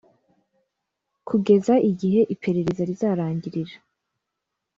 kugeza igihe iperereza rizarangirira